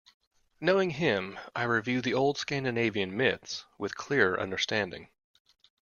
Knowing him, I review the old Scandinavian myths with clearer understanding.